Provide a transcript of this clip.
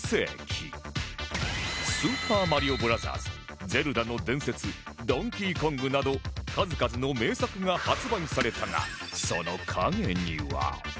『スーパーマリオブラザーズ』『ゼルダの伝説』『ドンキーコング』など数々の名作が発売されたが